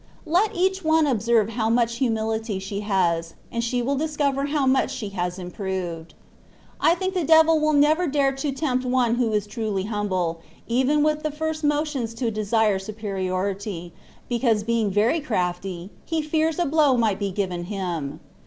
Let each one observe how much humility she has, and she will discover how much she has improved. I think the devil will never dare to tempt one who is truly humble, even with the first motions to desire superiority, because being very crafty, he fears a blow might be given him.